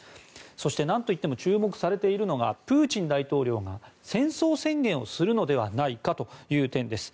そして、なんといっても注目されているのがプーチン大統領が戦争宣言をするのではないかという点です。